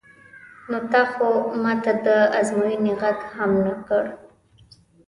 نو تا خو ما ته د ازموینې غږ هم نه کړ.